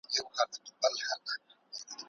چې د ادم ځوانۍ ته